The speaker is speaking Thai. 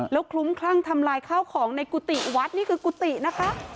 แล้วคลุ้มคลั่งทำลายข้าวของในกุฏิวัดนี่คือกุฏินะคะ